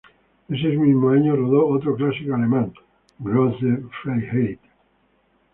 Ese mismo año rodó otro clásico alemán, "Große Freiheit Nr.